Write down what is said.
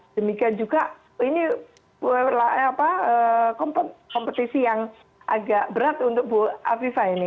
demikian juga ini kompetisi yang agak berat untuk bu afifah ini